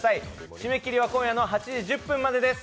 締め切りは今夜の８時１０分までです。